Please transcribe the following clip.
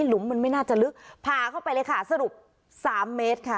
มันไม่น่าจะลึกพาเข้าไปเลยค่ะสรุปสามเมตรค่ะ